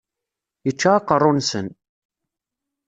Yečča aqerruy-nsen.